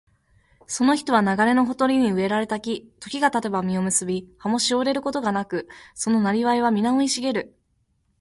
その人は流れのほとりに植えられた木、時が来れば実を結び、葉もしおれることがなく、その業はみな生い茂る